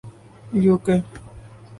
you کے